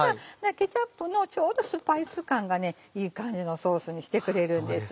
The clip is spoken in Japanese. ケチャップのちょうどスパイス感がいい感じのソースにしてくれるんです。